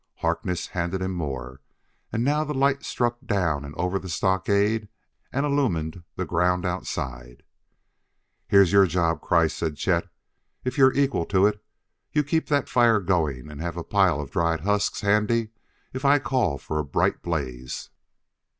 Harkness handed him more; and now the light struck down and over the stockade and illumined the ground outside. "Here's your job, Kreiss," said Chet, "if you're equal to it. You keep that fire going and have a pile of dried husks handy if I call for a bright blaze.